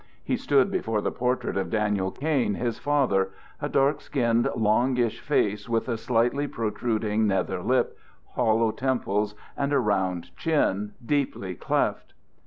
He stood before the portrait of Daniel Kain, his father, a dark skinned, longish face with a slightly protruding nether lip, hollow temples, and a round chin, deeply cleft.